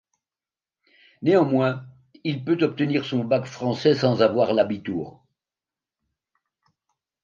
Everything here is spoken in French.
Néanmoins, il peut obtenir son bac français sans avoir l'Abitur.